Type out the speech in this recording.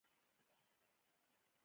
کتابچه د ذهني نظم انځور دی